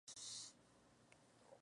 Es autor o coautor de varios libros.